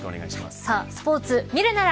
スポーツ見るなら。